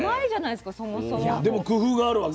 でも工夫があるわけ？